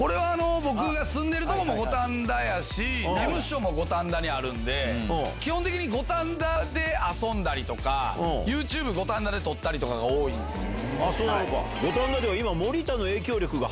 僕が住んでる所も五反田やし事務所も五反田にあるんで基本的に五反田で遊んだりとかＹｏｕＴｕｂｅ五反田で撮ったりとかが多いんですよ。